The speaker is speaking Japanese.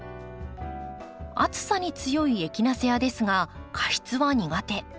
暑さに強いエキナセアですが過湿は苦手。